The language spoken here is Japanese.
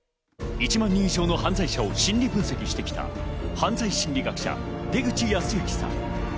１万人以上の犯罪者を心理分析してきた犯罪心理学者・出口保行さん。